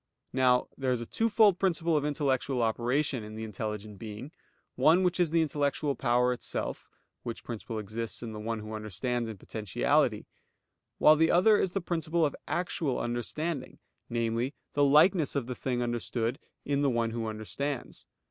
Now there is a twofold principle of intellectual operation in the intelligent being; one which is the intellectual power itself, which principle exists in the one who understands in potentiality; while the other is the principle of actual understanding, namely, the likeness of the thing understood in the one who understands.